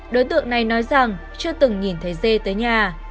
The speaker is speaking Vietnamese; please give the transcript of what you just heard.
đối tượng này nói rằng chưa từng nhìn thấy dê tới nhà